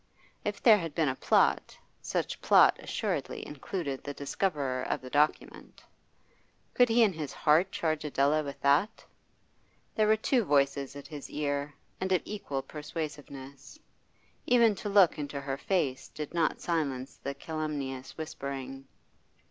If there had been a plot, such plot assuredly included the discoverer of the document. Could he in his heart charge Adela with that? There were two voices at his ear, and of equal persuasiveness. Even to look into her face did not silence the calumnious whispering.